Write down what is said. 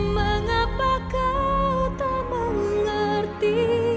mengapa kau tak mengerti